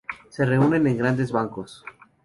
Se reúnen en grandes bancos.